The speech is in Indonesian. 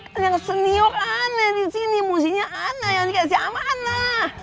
kan yang senior aneh disini musinya aneh yang dikasih amanah